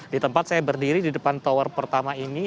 di tempat saya berdiri di depan tower pertama ini